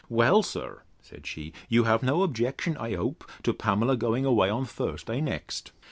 Well, sir, said she, you have no objection, I hope, to Pamela's going away on Thursday next?